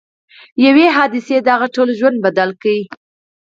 یوې حادثې د هغه ټول ژوند بدل کړ